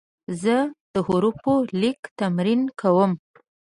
زه د حروفو لیک تمرین کوم.